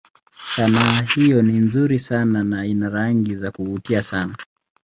Sanaa hiyo ni nzuri sana na ina rangi za kuvutia sana.